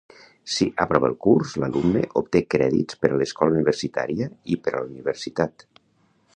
Si aprova el curs, l'alumne obté crèdits per a l'escola universitària i per a la universitat.